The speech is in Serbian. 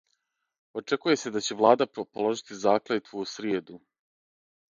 Очекује се да ће влада положити заклетву у сриједу.